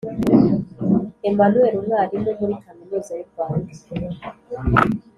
Emmanuel umwarimu muri Kaminuza y urwanda